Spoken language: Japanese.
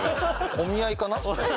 お見合いかな？